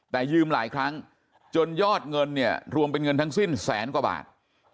แต่ยืมหลายครั้งจนยอดเงินเนี่ยรวมเป็นเงินทั้งสิ้นแสนกว่าบาท